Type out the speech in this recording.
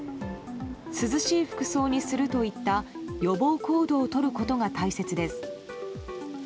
涼しい服装にするといった予防行動をとることが大切です。